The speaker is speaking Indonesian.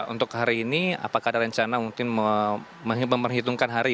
untuk hari ini apakah ada rencana mungkin memperhitungkan hari